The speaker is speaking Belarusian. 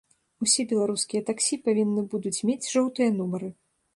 Усе беларускія таксі павінны будуць мець жоўтыя нумары.